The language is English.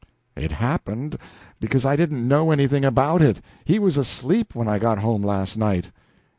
"It happened because he didn't know anything about it. He was asleep when I got home last night."